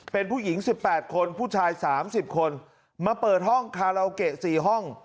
เป็นผู้หญิง๑๘คนผู้ชาย๓๐คนมาเปิดห้องคาราโอเกะ๔ห้อง